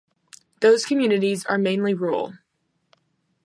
Those communities are mainly rural.